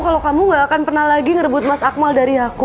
kalau kamu gak akan pernah lagi ngerebut mas akmal dari aku